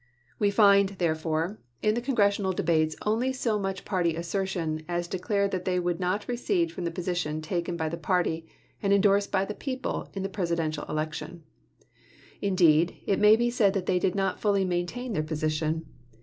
We find, therefore, in the Congressional debates only so much party assertion as declared that they would not recede from the position taken by the party and indorsed by the people in the Presidential election. Indeed, it may be said that they did not fully maintain their position.